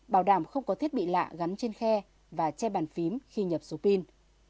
bảo đảm không có thiết bị lạ gắn trên khe và che bàn phím khi nhập số pin